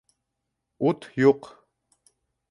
Ут юҡ!